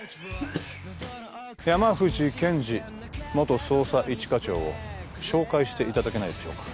山藤憲治元捜査一課長を紹介していただけないでしょうか？